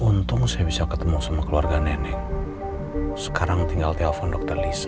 untung saya bisa ketemu sama keluarga nenek sekarang tinggal telepon dokter lisa